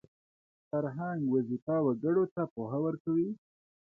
فرهنګ وظیفه وګړو ته پوهه ورکوي